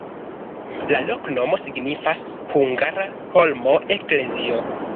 La loknomo signifas: hungara-holmo-eklezio.